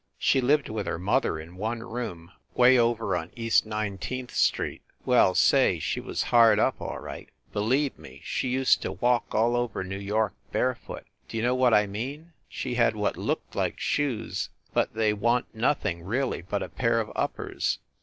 She lived with her mother in one room way over on East Nineteenth Street. Well, say, she was hard up, all right. Believe me, she used to walk all over New York barefoot. D you know what I mean? She had what looked like shoes, but they wan t nothing really but a pair of uppers.